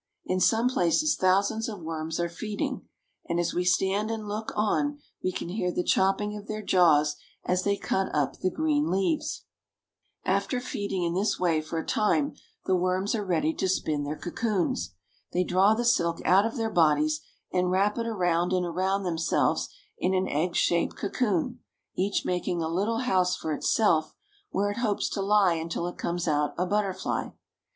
In some places thousands of worms are feeding, and as we stand and look on we can hear the chopping of their jaws as they cut up the green leaves. "XemTi^ilvenice' G> Theieaiipel , /N I A irajevo Longitude East from Greenwich After feeding in this way for a time, the worms are ready to spin their cocoons. They draw the silk out of their bodies, and wrap it around and around themselves in an egg shaped cocoon, each making a little house for itself, where it hopes to lie until it comes out a butterfly.